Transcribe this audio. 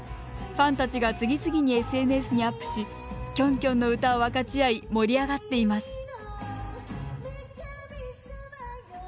ファンたちが次々にＳＮＳにアップしキョンキョンの歌を分かち合い盛り上がっています。